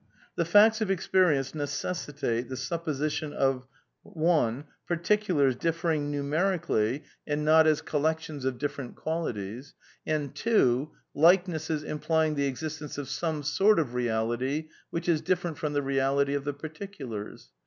. The facts of experience necessitate the supposition of (1) particulars differing numerically and not as collections of t1 THE NEW REALISM 179 difPerent qualities, and (2) likenesses implying the existence of anyrift a^yti of rtttilftr which is different from the reality of the particulars"